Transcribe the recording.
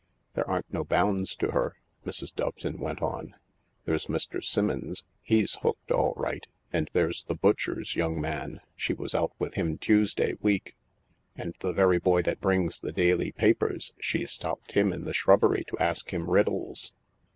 " There aren't no bounds to her," Mrs. Doveton went on. "There's Mr. Simmons, he's hooked all right ; and there's the butcher's young man she was out with him Tuesday week ; and the very boy that brings the daily papers, she stopped him in the shrubbery to ask him riddles."